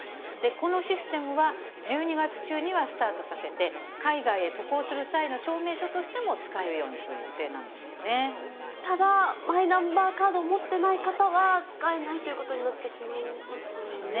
このシステムは、１２月中にはスタートさせて、海外へ渡航する際の証明書としても使えるようにする予定なんですただ、マイナンバーカード持ってない方は使えないということになってしまいますよね。